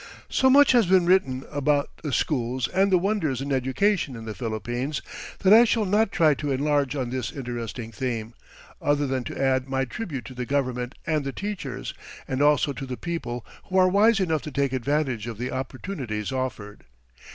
So much has been written about the schools and the wonders in education in the Philippines that I shall not try to enlarge on this interesting theme, other than to add my tribute to the government and the teachers, and also to the people who are wise enough to take advantage of the opportunities offered.